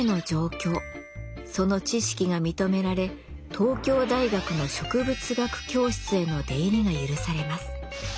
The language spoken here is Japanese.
その知識が認められ東京大学の植物学教室への出入りが許されます。